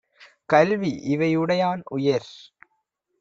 கல்வி இவையுடையான் - உயர்